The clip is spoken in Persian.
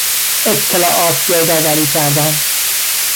اطلاعات گردآوری کردن